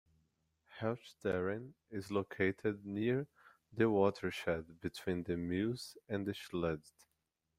Helchteren is located near the watershed between the Meuse and the Scheldt.